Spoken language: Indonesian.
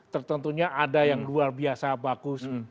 tertentunya ada yang luar biasa bagus